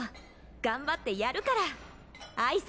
頑張ってやるからあいさつ。